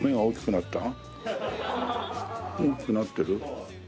大きくなってる？